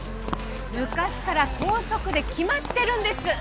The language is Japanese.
昔から校則で決まってるんです！